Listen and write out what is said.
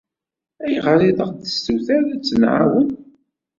Ayɣer ay aɣ-d-tessuter ad tt-nɛawen?